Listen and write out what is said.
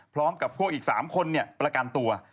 พร้อมกับพวกอีก๓คนประกันตัว